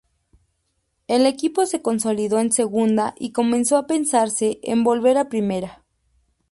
El equipo se consolidó en Segunda y comenzó a pensarse en volver a Primera.